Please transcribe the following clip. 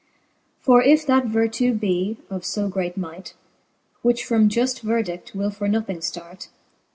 For if that vertue be of (o great might, Which from juft verdi(9: will for nothing ftart.